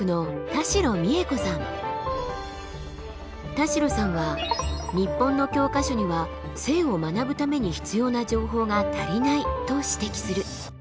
田代さんは日本の教科書には性を学ぶために必要な情報が足りないと指摘する。